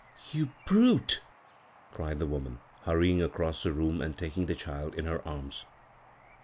" You brute I " cried the woman, hurrying across the room and taking the child in her arms.